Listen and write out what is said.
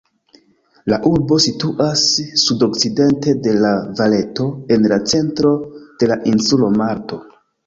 La urbo situas sudokcidente de La-Valeto, en la centro de la insulo Malto.